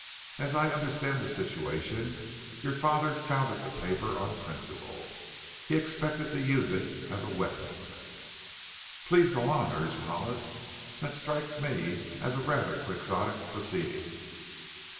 As I understand the situation, your father founded the paper on principle. He expected to use it as a weapon." "Please go on," urged Hollis. "That strikes me as a rather Quixotic proceeding."